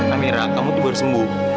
amira kamu tuh harus sembuh